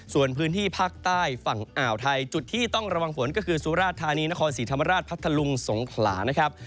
ส่วนพื้นที่ภาคใต้ฝั่งอ่าวไทยจุดที่ต้องระวังฝนก็คือสุราชธานีนครศรีธรรมราชพัทธลุงสงขลานะครับ